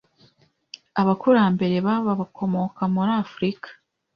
Abakurambere ba bakomoka muri Afurika.